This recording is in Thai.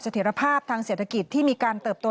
ถียรภาพทางเศรษฐกิจที่มีการเติบโต